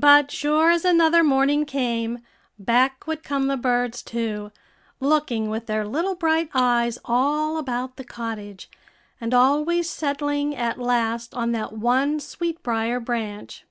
But sure as another morning came, back would come the birds too, looking with their little bright eyes all about the cottage, and always settling at last on that one sweetbrier branch.